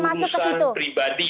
itu adalah urusan pribadi